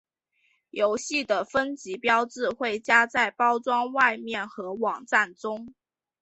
游戏的分级标志会加在包装外面和网站中。